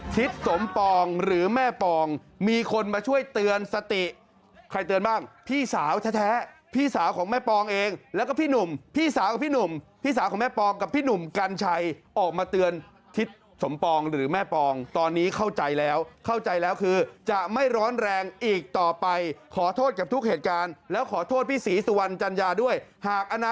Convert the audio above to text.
ทิศสมปองหรือแม่ปองมีคนมาช่วยเตือนสติใครเตือนบ้างพี่สาวแท้พี่สาวของแม่ปองเองแล้วก็พี่หนุ่มพี่สาวกับพี่หนุ่มพี่สาวของแม่ปองกับพี่หนุ่มกัญชัยออกมาเตือนทิศสมปองหรือแม่ปองตอนนี้เข้าใจแล้วเข้าใจแล้วคือจะไม่ร้อนแรงอีกต่อไปขอโทษกับทุกเหตุการณ์แล้วขอโทษพี่ศรีสุวรรณจัญญาด้วยหากอนา